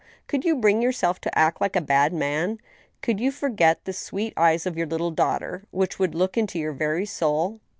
Could you bring yourself to act like a bad man ? Could you forget the sweet eyes of your little daughter, which would look into your very soul